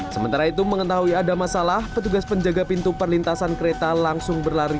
sementara itu mengetahui ada masalah petugas penjaga pintu perlintasan kereta langsung berlari